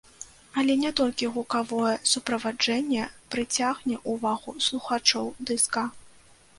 Але не толькі гукавое суправаджэнне прыцягне ўвагу слухачоў дыска.